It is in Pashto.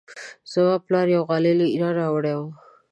زما پلار یوه غالۍ له ایران راوړې وه.